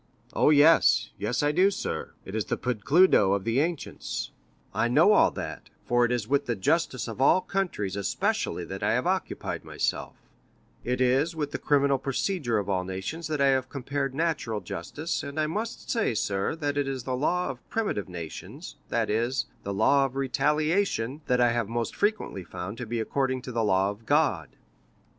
"Oh, yes—yes, I do, sir; it is the pede claudo of the ancients. I know all that, for it is with the justice of all countries especially that I have occupied myself—it is with the criminal procedure of all nations that I have compared natural justice, and I must say, sir, that it is the law of primitive nations, that is, the law of retaliation, that I have most frequently found to be according to the law of God."